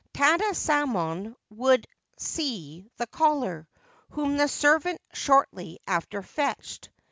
Tada Samon would see the caller, whom the servant shortly after fetched.